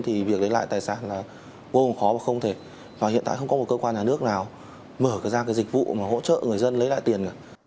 hiện tại không có một cơ quan nhà nước nào mở ra cái dịch vụ mà hỗ trợ người dân lấy lại tiền